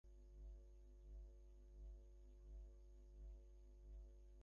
তখন ভারতীয় সেনাবাহিনীর সহায়তায় একটি স্বাধীন দেশের দ্রুত আবির্ভাব নিশ্চিত হয়।